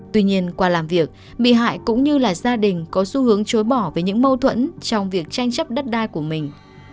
tuy nhiên qua làm việc bị hại cũng như là gia đình có xu hướng chối bỏ về những mâu thuẫn trong việc tranh chấp đất đai của mình